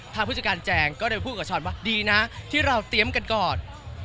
ผู้จัดการแจงก็เลยพูดกับช้อนว่าดีนะที่เราเตรียมกันก่อน